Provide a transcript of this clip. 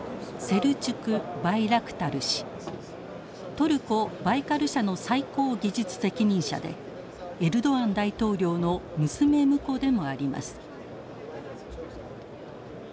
トルコバイカル社の最高技術責任者でエルドアン大統領の娘婿でもあります。